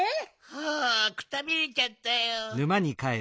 はあくたびれちゃったよ。